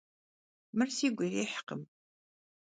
Mır sigu yirihkhım.